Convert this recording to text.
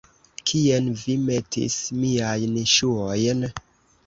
Kien vi metis miajn ŝuojn?